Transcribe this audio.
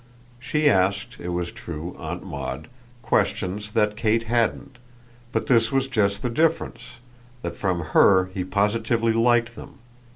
She asked, it was true, Aunt Maud, questions that Kate hadn't; but this was just the difference, that from her he positively liked them.